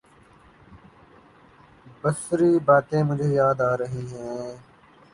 بسری باتیں مجھے یاد آ رہی ہیں۔